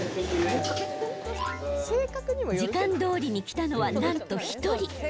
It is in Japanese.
時間どおりに来たのはなんと１人。